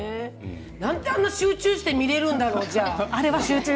なんで、あんな集中して見られるんだろう。